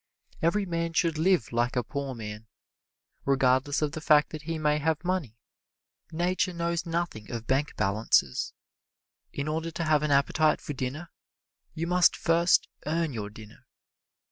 Every man should live like a poor man, regardless of the fact that he may have money. Nature knows nothing of bank balances. In order to have an appetite for dinner, you must first earn your dinner.